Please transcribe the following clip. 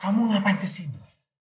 kamu ngapain ke sini